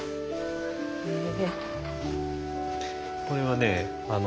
これはね